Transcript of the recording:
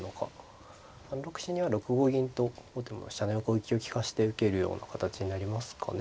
３六飛車には６五銀と後手も飛車の横利きを利かして受けるような形になりますかね。